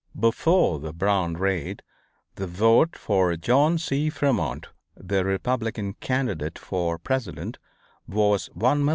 Before the Brown raid the vote for John C. Fremont, the Republican candidate for President, was 1341000.